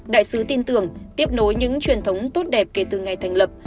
đại sứ tin tưởng tiếp nối những truyền thống tốt đẹp kể từ ngày thành lập